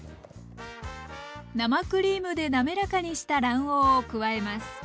生クリームで滑らかにした卵黄を加えます。